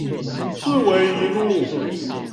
四維一路